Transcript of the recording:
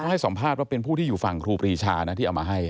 ให้สัมภาษณ์ว่าเป็นผู้ที่อยู่ฝั่งครูปรีชานะที่เอามาให้